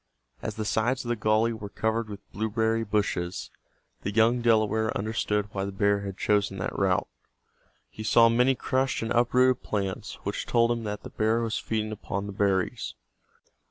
As the sides of the gully were covered with blueberry bushes, the young Delaware understood why the bear had chosen that route. He saw many crushed and uprooted plants which told him that the hear was feeding upon the berries.